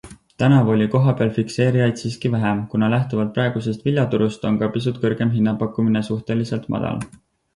Tänavu oli kohapeal fikseerijaid siiski vähem, kuna lähtuvalt praegusest viljaturust on ka pisut kõrgem hinnapakkumine suhteliselt madal.